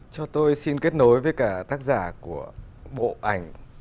cho tôi xin kết nối với cả tác giả của bộ ảnh